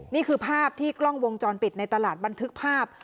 นี่คือภาพที่กล้องวงจรปิดในตลาดบันทึกภาพ